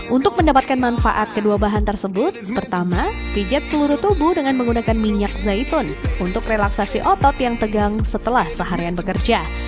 untuk mendapatkan manfaat kedua bahan tersebut pertama pijat peluru tubuh dengan menggunakan minyak zaitun untuk relaksasi otot yang tegang setelah seharian bekerja